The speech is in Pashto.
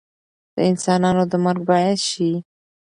د انسانانو د مرګ باعث شي